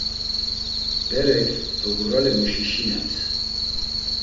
Berek doguralemuşi şinems.